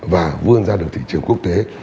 và vươn ra được thị trường quốc tế